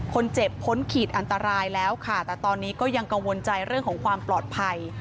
คนเจ็บพ้นขีดอันตรายแล้วค่ะแต่ตอนนี้ก็ยังกังวลใจเรื่องของความปลอดภัย